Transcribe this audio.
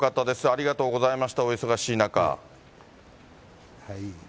ありがとうございました、お忙しい中。